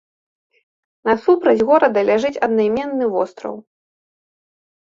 Насупраць горада ляжыць аднайменны востраў.